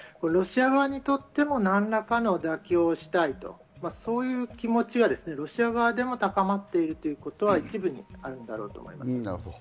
ロシア側とっても何らかの妥協をしたいとそういう気持ちはロシア側でも高まっているということはあると思います。